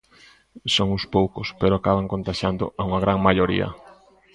Son uns poucos pero acaban contaxiando a unha gran maioría.